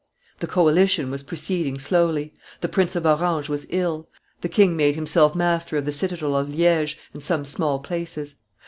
The coalition was proceeding slowly; the Prince of Orange was ill; the king made himself master of the citadel of Liege and some small places.